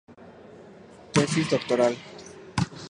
Tesis doctoral.